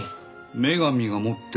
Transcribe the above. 女神が待ってる。